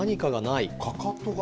かかとが？